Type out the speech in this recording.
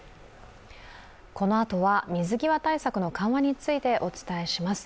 このあとは水際対策の緩和についてお伝えします。